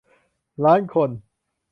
ล้านคน